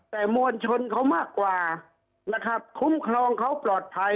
แต่มวลชนเขามากกว่านะครับคุ้มครองเขาปลอดภัย